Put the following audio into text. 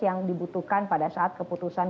yang dibutuhkan pada saat keputusan